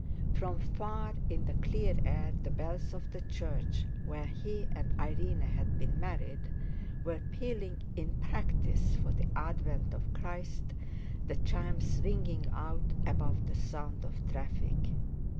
From far in the clear air the bells of the church where he and Irene had been married were pealing in "practice" for the advent of Christ, the chimes ringing out above the sound of traffic.